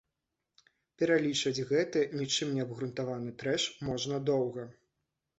Пералічваць гэты нічым не абгрунтаваны трэш можна доўга.